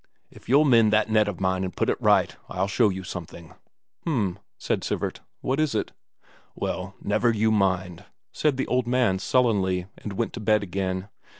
If you'll mend that net of mine and put it right, I'll show you something." "H'm," said Sivert. "What is it?" "Well, never you mind," said the old man sullenly, and went to bed again.